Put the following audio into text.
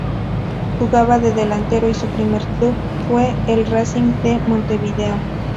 Jugaba de delantero y su primer club fue el Racing de Montevideo.